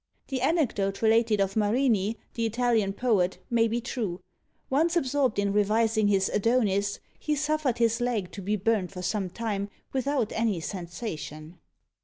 The anecdote related of Marini, the Italian poet, may be true. Once absorbed in revising his Adonis, he suffered his leg to be burnt for some time, without any sensation.